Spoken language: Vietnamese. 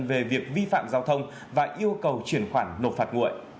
về việc vi phạm giao thông và yêu cầu chuyển khoản nộp phạt nguội